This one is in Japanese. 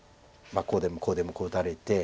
こうでもこうでもこう打たれて。